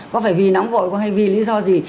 có phải vì nóng vội có hay vì lý do gì